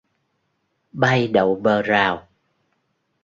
Bay, đậu bờ rào